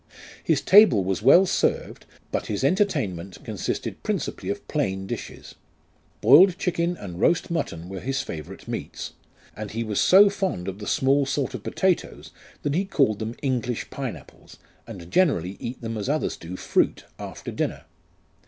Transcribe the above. His table was well served, but his entertainment consisted principally of plain dishes. Boiled chicken and roast mutton were his favourite meats, and he was so fond of the small sort of potatoes, that he called them English pine apples, and generally eat them as others do fruit, after dinner.